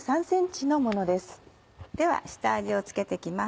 では下味を付けていきます。